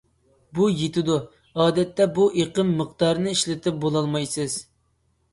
بۇ يېتىدۇ، ئادەتتە بۇ ئېقىم مىقدارىنى ئىشلىتىپ بولالمايسىز.